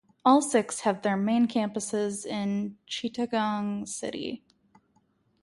All six have their main campuses in Chittagong city.